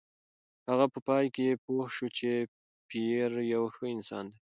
هغه په پای کې پوه شوه چې پییر یو ښه انسان دی.